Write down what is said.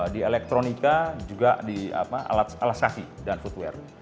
di elektronika juga di alat syafi dan foodware